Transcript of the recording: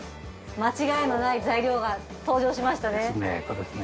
間違いのない材料が登場しましたね。